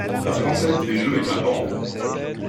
La française des jeux est à vendre.